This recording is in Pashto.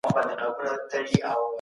مناسب وخت د کارونو لپاره اړین دی.